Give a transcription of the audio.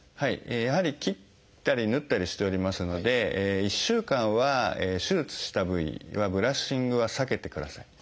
やはり切ったり縫ったりしておりますので１週間は手術した部位にはブラッシングは避けてください。